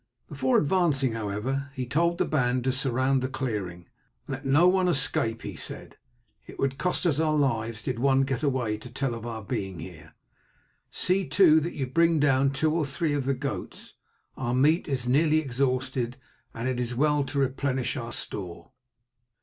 Before advancing, however, he told the band to surround the clearing. "Let no one escape," he said; "it would cost us our lives did one get away to tell of our being here. See, too, that you bring down two or three of the goats. Our meat is nearly exhausted, and it is well to replenish our store."